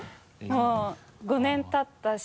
もう５年たったし。